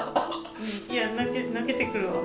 いや泣けてくるわ。